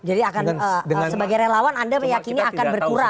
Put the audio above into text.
jadi akan sebagai relawan anda meyakini akan berkurang